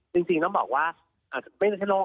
จริงมาบอกว่าไม่ใช่โรค